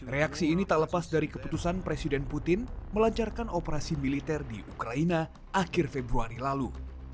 reaksi ini tak lepas dari keputusan presiden putin melancarkan operasi militer di ukraina akhir februari lalu